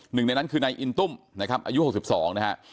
หนึ่งในนั้นคือนายอินตุ้มนะครับอายุ๖๒นะฮะ